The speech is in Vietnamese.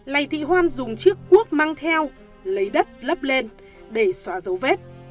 lầy thị hoan dùng chiếc cuốc mang theo lấy đất lấp lên để xóa dấu vết